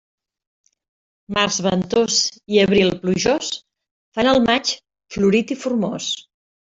Març ventós i abril plujós fan el maig florit i formós.